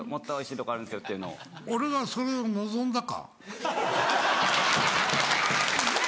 「俺はそれを望んだか？」。